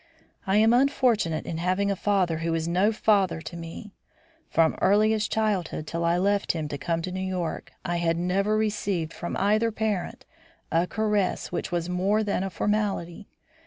I am unfortunate in having a father who is no father to me. From earliest childhood till I left him to come to New York, I had never received from either parent a caress which was more than a formality.